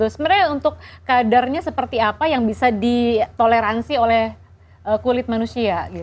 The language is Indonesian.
sebenarnya untuk kadarnya seperti apa yang bisa ditoleransi oleh kulit manusia